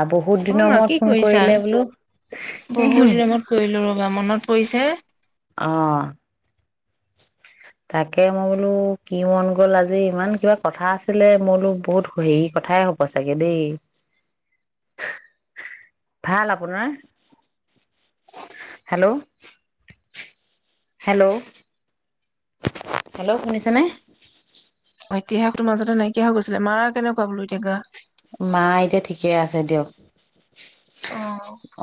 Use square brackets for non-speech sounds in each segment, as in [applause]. আ, বহুত অ দিনৰ মা মূৰত কি ফোন কৰিছা? কৰিলে বোলো! চে অহ। তাকে মই বোলোঁ, কি মন গ'ল আজি ইমান? কিবা কথা আছিলে, মই বোলো, বহুত হেৰি কথাই হ'ব চাগে দেই। ভাল আপোনাৰ? Hello, hello. হেল্ল' শুনিছানে? ইতিহাসটো মাজতে নাইকিয়া হৈ গৈছিল, মাৰ কেনেকুৱা বোলো, এতিয়া গা। মা এতিয়া ঠিকেই আছে, দিয়ক। অ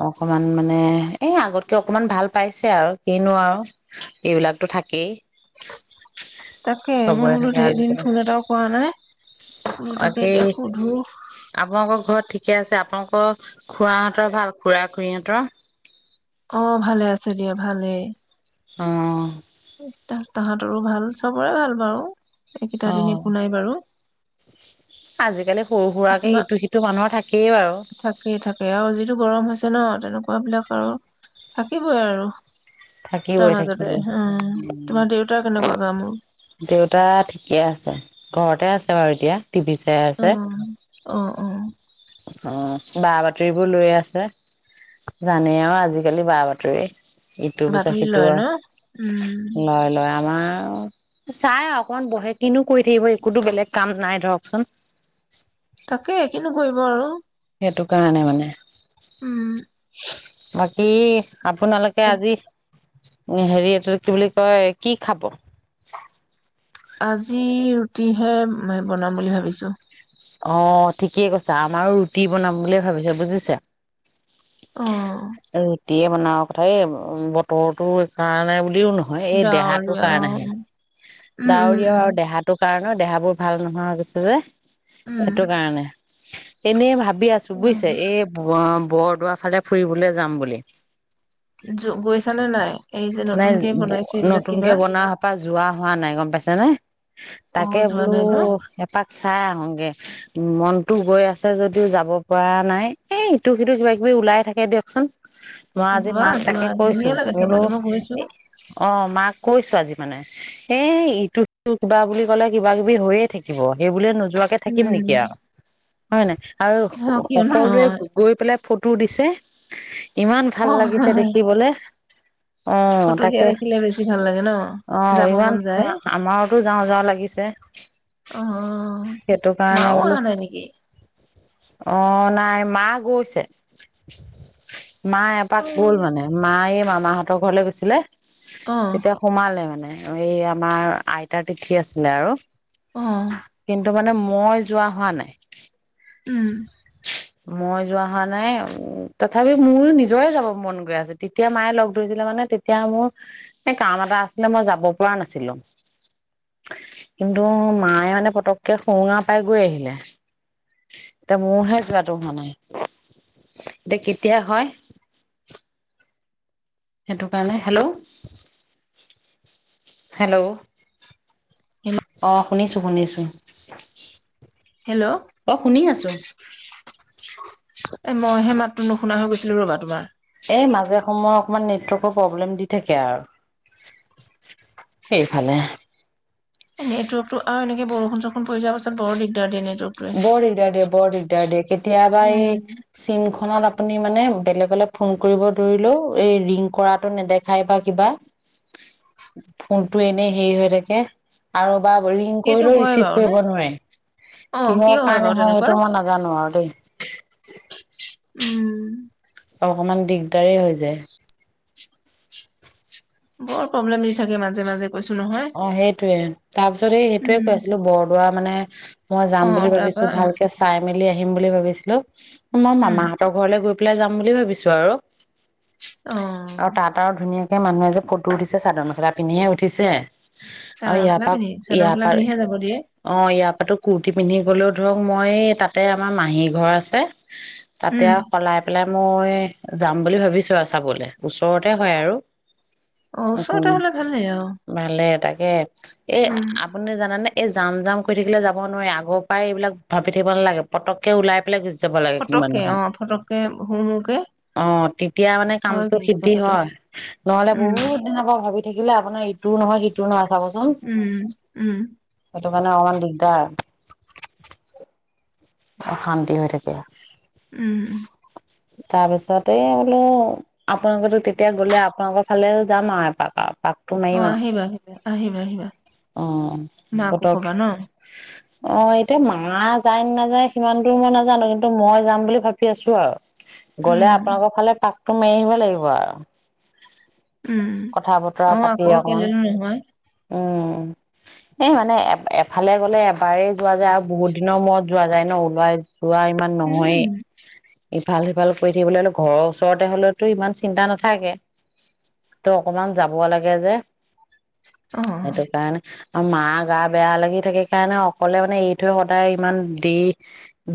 অ', অকমান। মানে, এই আগতকৈ অকমান ভাল পাইছে আৰু কিনো আৰু এইবিলাকতো থাকেই। তাকে মই বোলো ধেই দিন ফোন এটাও কৰা নাই। বোলো অ', তাকে এণ্টি এতিয়া সুধো। আপোনালোকৰ ঘৰত থি ঠিকে আছে, আপোনালোকৰ খুৰাহঁতৰ ভাল, খুড়া, খুৰীহঁতৰ? অ', ভালে আছে দিয়া, ভালেই। অ'। উহ্, তা, তাহঁতৰো ভাল, চবৰে ভাল বাৰু। এই কেইটা অ দিন অ একো নাই বাৰু। সৰু-সুৰাকে তোমাৰ ইটো সিটো মানুহৰ থাকেই বাৰু। চে ' তেনেকুৱা বিলাক থাকিবই আৰু। তাৰ থাকিবই, মাজতে থাকিবই উম তোমাৰ দেউতাৰ কেনেকুৱা গা মূৰ? দেউতা ঠিকেই আছে, ঘৰতে আছে। অ', এতিয়া টিভি চাই আছে। অ', অ অ বা-বাতৰি বোৰ লৈ আছে, জানেই আজিকালি বা-বাতৰি। ইটো পিছত বাতৰি সিটো লয় ন উম। লয়, লয় আমাৰ অ', চাই অকণ বহে, কিনো কৰি থাকিব, একোটো বেলেগ কাম নাই ধৰকচোন। তাকেই কিয়নো কৰিব আৰু। এইটো কাৰণে মানে। উম বাকী আপোনালোকে এ- আজি অ', হেৰি এইটো, কি বুলি কয় কি খাব? আজি ৰুটিহে বনাম বুলি ভাবিছোঁ। অ', ঠিকেই, কৈছা আমাৰো ৰুটি বনাম বুলিয়ে ভাবিছো বুজিছে। অ'। ৰুটিয় বনোৱা কথা, এই বতৰটো এইকাৰণে ব জিওঁ নহয়, এই দেহাটোৰ ডাৱৰীয়া অ কাৰণেহে উম উম ডাঁৱৰীয়া দেহাটোৰ কাৰণে ন' দেহাবোৰ ভাল নোহোৱা হৈ গৈছে যে। উম উম সেইটো কাৰণে এনে ভাৱ ঠিকেই আছোঁ অ বুজিছে, এই বোয়েম বৰদোৱা ফালে ফুৰিবলৈ যাম বুলি গৈছানে নাই? এই যে নাই নতুনকে বনাইছে এইবিলাক নতুনকে কিবা বনোৱা হপা যোৱা হোৱা নাই গম পাইছ ছে নে? অ তাকে যোৱা বোলো নাই ন এপাক চাই আহোগে। মনতো গৈ আছে যদিও যাব পৰা নাই এই ইটো সিটো কিবা কিবি ওলাই থাকে দিয়কচোন। মই আজি যোৱা মাক যোৱা তাকে কৈছো ধুনীয়া লাগে বোলো চাবলৈ মই গৈছো অ মাক কৈছ আজি মানে এই ইটো সিটো কিবা বুলি ক'লে কিবা কিবি হৈয়ে থাকিব সেই বুলিয়ে ন যোৱাকে থাকিম নেকি উম আৰু হয় নাই আৰু অ কিয় সকলোৱে নহয় গৈ পেলাই ফু তো দিছে। ইমান অ ভাল লাগিছে দেখিবলে। আহ ফটো দিয়া তাকে দেখিলে বেছি ভাল লাগে ন আহ যাব ইমান মন যায় আমাৰতো যাওঁ যাওঁ লাগিছে অ সেইটো কাৰণে মাও অহা বোলো। নাই নেকি অ নাই মা গৈছে মা এপাক অ গল মানে মায়ে মামাহঁতৰ ঘৰলে গৈছিলে। এতিয়া সোমালে মানে। এই আমাৰ আইতাৰ তিথি আছিলে আৰু অ কিন্তু মানে মই যোৱা হোৱা নাই। উম। মই যোৱা হোৱা নাই তথাপি মোৰ নিজৰে যাব মন গ আছে তেতিয়া মায়ে লগ ধৰিছিলে মানে তেতিয়া মোৰ কাম এটা আছিলে মই যাব পৰা নাছিলো কিন্তু মায়ে মানে পতককে সুৰুঙা পাই গৈ আহিলে। এতিয়া মোৰহে যোৱাটো হোৱা নাই এতিয়া কেতিয়া হয়। সেইটো কাৰণে হেল্ল' হেল্ল' অ। শুনিছোঁ শুনিছোঁ। হেল্ল' অ শুনি আছো। এ মইহে মাতটো নো শুনাৰো গৈছিল ৰবা তোমাৰ [unintelligible] এই মাজে সময়ে অকণমান নেটৱৰ্কৰ প্ৰব্লেম দি থাকে আৰু, সেইফালে এ নেটৱৰ্কতটো আৰু এনেকে বৰষুণ চৰুষুণ পৰি যোৱাৰ পাছত বৰ দিগদাৰ দিনে বৰ দিগদাৰ দিয় বৰ দিগদাৰ দিয় কেতিয়াবা এই চিম আপুনি মানে বেলেগলে ফোন কৰিব ধৰিলেও এই ৰিং কৰাটো নেদেখাই বা কিবা, ফোন এনে হেৰি হৈ থাকে। আৰু ৰিঙ সেইটো কৰিলেও হয় ৰিচিভ বাৰু নে কৰিব নোবাৰে। অ' কিয় কিহৰ কাৰণে বাৰু হয় তেনেকুৱা? সেইটো মই নাজানো আৰু দেই। উম অকমান দিগদাৰেই হৈ যায়। বৰ প্ৰব্লেম দি থাকে মাজে মাজে কৈছো নহয়। অ সেইটোয়ে তাৰ পিছত এই সেইটোয়ে উম, কৈ আছিলো বৰদোৱা মানে মই যাম অ' বুলি তাৰপা ভাবিছো অ' ভালকে চাই মেলি আহিম বুলি ভাবিছিলো মই উম, মামাহঁতৰ ঘৰলৈ গৈ পেলাই যাম বুলি ভাবিছো আৰু। আৰু অ'। তাত আৰু ধুনীয়া একে মানুহে যে ফটো উঠিছে চাদৰ খেলা পিন্ধিহে উঠিছে। চাদৰ আৰু ইয়াৰ মেখেলা পৰা পিন্ধি চাদৰ ইয়াৰ মেখেলা পৰা পিন্ধিহে যাব দিয়ে। অ ইয়াৰ পৰাতো কুৰ্তি পিন্ধি গ'লেও ধৰক মই তাতে আমাৰ মাহী ঘৰ আছে তাতে উম, আৰু সলাই পেলাই মই যাম বুলি ভাবিছো আৰু চাবলে ওচৰতে হয় আৰু অ', ওচৰতে হ'লে ভালেই অ'। ভালে তাকে এ আপুনি জানেনে এই যাম যাম কৈ থাকিলে যাব নোৱাৰি আগৰ পৰাই এইবিলাক ভাবি থাকিব নালাগে পটককে ওলাই পেলাই যাব লাগে ফটককে কোনোবাখন অ' ফটককে হুৰ মুৰকে অ তেতিয়া মানে হয় কামটো কিন্তু সিদ্ধি কথাটো হয় নহলে উম, বহুত দিনৰ পৰা ভাবি থাকিলে আপোনাৰ ইটো নহয়, সিটো নহয়। উম, উম। ত' মানে অকমান দিগদাৰ। অশান্তি হৈ থাকে উম তাৰপিছতে বোলো আপোনালোকো তেতিয়া গ'লে আপোনালোকৰ ফালে যাম আৰু এপাক আৰু। পাকটো অ মাৰিম আৰু আহিবা আহিবা আহিবা আহিবা অ', মাকো ফটক কবা ন অ এতিয়া মা যায় ন নাযায় সিমান দূৰো মই নাজানো কিন্তু মই যাম বুলি ভাবি আছো আৰু গলে উম আপোনোক ফালে তটো মাবি আহিব লাগিব আৰু উম কথা বতৰা অ পাতি আকৌ অকমান অকলে নহয় উম এই মানে এ এফালে গলে এবাৰেই যোৱা যায় আৰু বহুত দিনৰ মূৰত যোৱা যায় ন ওলাই ৰোৱা ইমান উম নহয়েই ইফাল সিফাল কৰি থাকিবলৈ হ'লে ঘৰৰ ওচৰতে হ'লেওতো ইমান চিন্তা নাথাকে তো অকমান যাব লাগে যে। অ সেইটো কাৰণে আৰু মা গা বেয়া লাগি থাকে কাৰণে অকলে মানে এৰি থৈ সদায় ইমান দি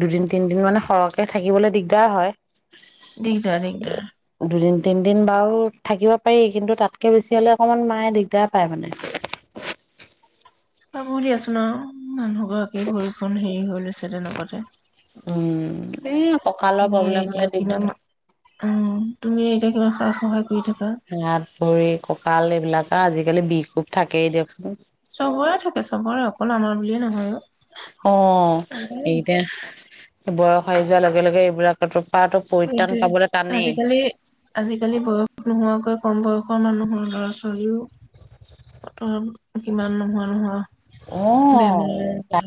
দুদিন তিনদিন মানে সৰহকে থাকিবলৈ দিগ দিগদাৰ হয়। দিগদাৰ, দিগদাৰ। দুদিন তিনদিন বাৰু থাকিব পাৰি কিন্তু তাতকে বেছি হ'লে অকমান মায়ে দিগদাৰ পায় মানে। পাব দিয়াছোন আও। মানুহ গৰাকী ভৰি খন হেৰি হৈ লৈছ যেনে নপতে উম। এ কঁকালৰ তুমিয়ে প্ৰব্লেম হলে এতিয়া দিগদাৰ কিমান উম, তুমি এতিয়া কিমান খ সহায় কৰি থাক ৰাপ ভৰি, কঁকাল এইবিলাক আৰু আজিকালি বিষ কোব থাকেই দিয়কচোন। চবৰে থাকে, চবৰে। অকল আমাৰ বুলিয়ে নহয় অ'। অ', চবৰে আছে। এইতিয়া বয়স আহাৰি যোৱাৰ লগে লগে এইবিলাকতো সেইটোৱেই। আজিকালি, আজিকালি বয়স নোহোৱাকৈ কম বয়সৰ মানুহৰ ল'ৰা-ছোৱালীও ক'ত কিমান নোহোৱা, নোহোৱা অ বেমাৰ বা!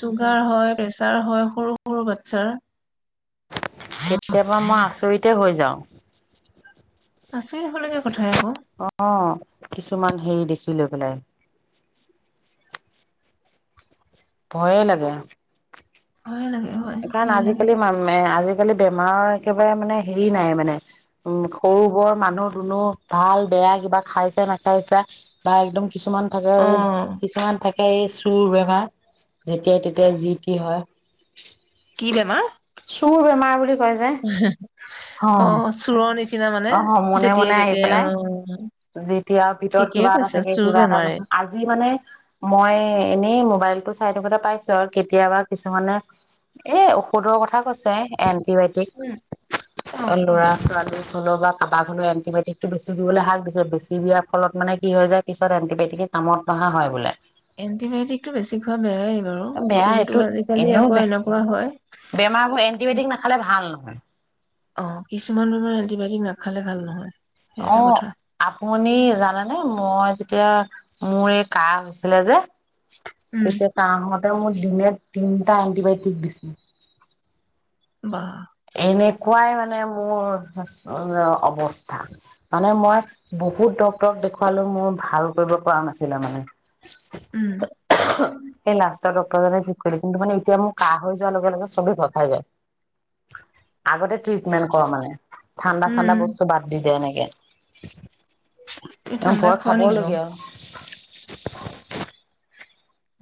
চুগাৰ হয়, প্ৰেচা তাৰ হয়, সৰু, সৰু বাচ্ছাৰ। কেতিয়াবা মই আচৰিতে হৈ যাওঁ। আচৰিত হ'বলগীয়া কথাই আকৌ অ', কিছুমান হেৰি দেখি লৈ পেলাই। ভয়ে লাগে। ভয় লাগে। হয় কাৰণ ভয়ে লাগে আজিকালি মাম, মে, আজি আজিকালি বেমাৰৰ একেবাৰে মানে হেৰি নাই মানে। উম, সৰু-বৰ মানুহ-দুনুহ, ভাল-বেয়া, কিবা খাইছে-নাখাইছে বা একদম কিছুমান থাকে অ এই, কিছুমান থাক সেই চুৰ বেমাৰ যেতিয়াই তেতিয়াই যি টি হয়। কি বেমাৰ? [unintelligible] বেমাৰ বুলি কয় যে অ', চোৰৰ নিচিনা মানে মনে মনে যেতিয়াই আহি তেতিয়াই পেলাই অ'। যেতিয়া ভিতৰত ঠিকেই কিবা এটা কৈছা থাকে চোৰ কিবা এটা বেমাৰে ন' আজি মানে মই এনেই মোবাইল টো চাই থকোতে পাইছো আৰু কেতিয়াবা কিছুমানে এই ঔষধৰ কথা কথাছে এণ্টিবায়টিক উম অ ল'ৰা-ছোৱালী নৰ বা কাৰাবাৰনৰ এণ্টিবায়টিক টো বেছি দিবলে হাক বেছি দিয়াৰ ফলত মানে কি হৈ য়ায় পিছত এণ্টিবায়টিকে কামত নহা হয় বোলে। এণ্টিবায়টিকতটো বেছি খোৱা বেয়াই বাৰু বেয়া এইটো কিন্তু আজিকালি এনেও আকৌ বে এনেকুৱা হয়। হয়। অ কিছুমান বমাৰ এণ্টিবায়টিক নাখালে ভাল নহয়। সেই অ এটা কথা আপুনি জানেনে মই যেতিয়া? মোৰ এই কা হৈছিলে যে উম তেতিয়া কামত মোৰ দিনে তিনিটা এণ্টিবায়টিক দিছিল বাহ। শুকুৱাই মানে মোৰ অৱস্থা মানে মই বহুত ড্ক্তৰক দেখুৱালো মোৰ ভাল কৰিব পৰা নাছিলে মানে উম। সেই লাষ্টত ড্টৰজনে ঠিক কৰিলে কিন্তু মানে এতিয়া মোৰ কাহ হৈ যোৱাৰ লগে লগে চবেই ভ খাই যায়। আগতে ট্ৰিটমেণ্ট কৰ মানে ঠাণ্ডা উম ঠাণ্ডা বস্তু বাদ দি দিয়ে এনেকে তুমি এ ঠাণ্ডা ভয় খোৱা নেকি বাৰু খাবলগীয়া আৰু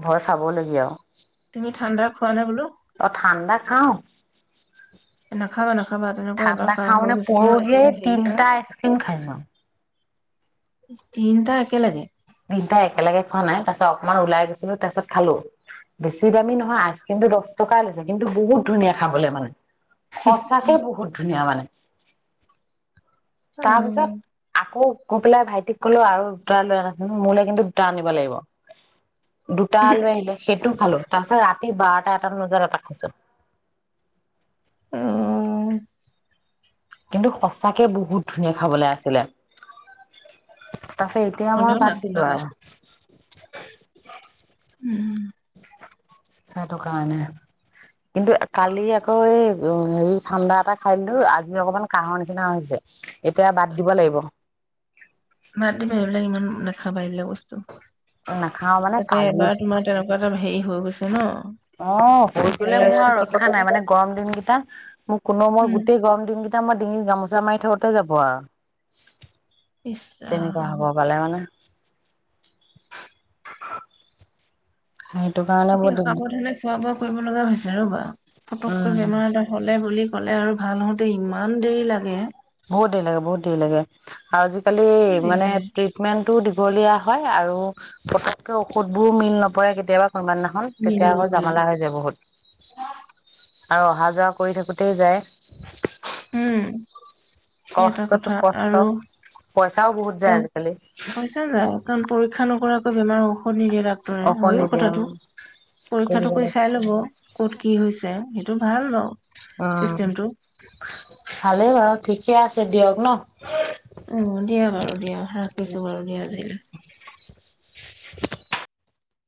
ভয় খাব লাগি আৰু হোৱা নাই বোলো। অ ঠাণ্ডা খাও নাখাবা নাখাবা তেনেকুৱা এবাৰ ঠাণ্ডা কাহ খাওঁ হৈ মানে গৈছে ন এইটো পৰহিয়ে হেৰি কাহ তিনটা আইচক্ৰীম খাইছো। তিনিটা একেলগে তিনটা একেলগে খোৱা নাই, তাৰ অকমান ওলাই গৈছিলোঁ, তাৰপিছত খালোঁ। বেছি দামি নহয়, আইচক্ৰীমটো দশ টকাই লৈছে, কিন্তু বহুত ধুনীয়া খাবলৈ মানে। সঁচাকে বহুত ধুনীয়া মানে। তাৰপিছত আকৌ কৈ পেলাই ভাইটিক কলো আৰু দুটা লৈ আনাছিল মোলৈ কিন্তু দুটা আনিব লাগিব দুটা লৈ আহিলে সেইটো খালো তাৰপিছত ৰাতি বাৰটা এট বজাত এটা খাইছো। উম। কিন্তু সঁচাকে, বহুত ধুনীয়া খাবলৈ আছিলে। তাছে, এতিয়া মই হ'লেও বাদ দিলো নাখাবা আৰু। উম। সেইটো কাৰণে কিন্তু কালি আকৌ এই হেৰি ঠাণ্ডা এটা খাই দিলো আজি অকমান কাহৰ নিচিনা হৈছে এতিয়া বাদ দিব লাগিব। মাতিবা এইবিলাক ইমান নাখাবা এইবিলাক বস্তু উ, নাখাওঁ মানে তাতে কালিয়ে এবাৰ থৈ তোমাৰ দিছোঁ। তেনেকুৱা এটা হেৰি হৈ গৈছে ন অ', থৈ সেই দিলে মোৰ ভাইৰাছটো আৰু ৰক্ষা নাই পতককে মানে গৰম দিনকেইটা! মোক, কোনো মই উম গোটেই গৰম দিনকেইটা মই ডিঙিত গামোচা মাৰি থওতে যাব আৰু। ইচ তেনেকুৱা ৰাম হ'ব পালে মানে সেইটোকাৰনে অতি বৰ জিলাৰ। সাৱধানে খোৱা বোৱা কৰিব লগা হৈছে ৰ'বা। পটকৈ বেমাৰ এটা হলে বুলি ক'লে আৰু ভাল হওঁতে ইমান দেৰি লাগে। বহুত দেৰি লাগে বহুত দেৰি লাগে আৰু আজি কালি মানে ট্ৰিটমেণ্টটোও দি লিয়া হয় আৰু পতকে ঔষধ বোৰো মিল নপৰে কেতিয়াবা সমানাখন তেতিয়া আকৌ জামালা হৈ যায় বহুত। আৰু অহা যোৱা কৰি থাকোঁতেই যায়। উম, এটা কষ্টটো কথা কষ্ট আৰু পইচাও বহুত যায় চব আজিকালি। পইচা যায় কাৰণ পৰীক্ষা নকৰাকৈ বেমাৰো নিদিয়ে ডাক্তৰে। অকণ হয়ো নিদিয়ে কথাটো, উম কৰিব পৰীক্ষাটো কৰি লাগে চাই ল'ব কত কি হৈছে সেইটো ভাল বাৰু অ, চিষ্টেমটো ভালেই বাৰু ঠিকে আছ দিয়ক ন? অ', দিয়া বাৰু দিয়া, ৰাখিছো বাৰু দিয়া আজিলৈ। [inaudible] [unintelligible]